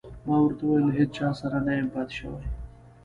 ما ورته وویل: له هیڅ چا سره نه یم پاتې شوی.